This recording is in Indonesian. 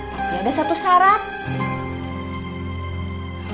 tapi ada satu syarat